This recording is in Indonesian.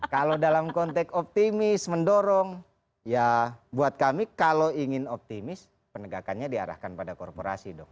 kalau dalam konteks optimis mendorong ya buat kami kalau ingin optimis penegakannya diarahkan pada korporasi dong